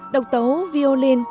độc tấu violin